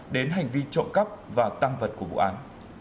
đến hành vi trộm cắp và tăng vật của vụ án